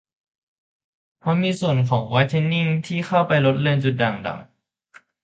เพราะมีส่วนผสมของไวท์เทนนิ่งที่เข้าไปลดเลือนจุดด่างดำ